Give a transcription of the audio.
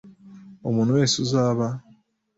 umuntu wese uzaba